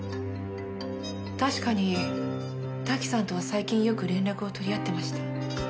確かに瀧さんとは最近よく連絡を取り合ってました。